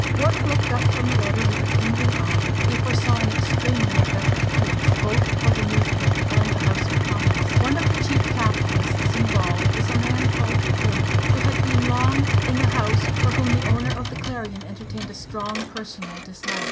Wharton looked up from the letter with a kindling eye. He foresaw an extremely effective case, both for the newspaper and the House of Commons. One of the chief capitalists involved was a man called Denny, who had been long in the House, for whom the owner of the Clarion entertained a strong personal dislike.